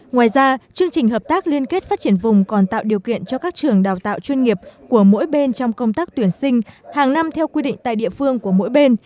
ngoài ra chương trình hợp tác liên kết phát triển vùng còn tạo điều kiện cho các trường đào tạo chuyên nghiệp của mỗi bên trong công tác tuyển sinh hàng năm theo quy định tại địa phương của mỗi bên